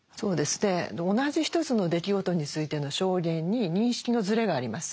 同じ一つの出来事についての証言に認識のずれがあります。